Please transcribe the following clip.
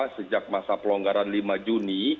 sejak masa pelonggaran lima juni